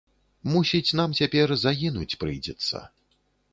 - Мусіць, нам цяпер загінуць прыйдзецца